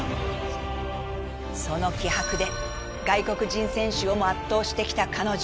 その気迫で外国人選手をも圧倒してきた彼女。